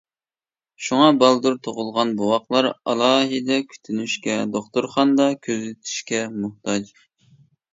شۇڭا بالدۇر تۇغۇلغان بوۋاقلار ئالاھىدە كۈتۈشكە، دوختۇرخانىدا كۆزىتىشكە موھتاج.